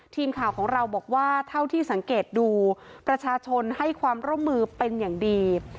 ทีมข่าวของเราบอกว่าเท่าที่สังเกตดูประชาชนให้ความร่วมมือเป็นอย่างดี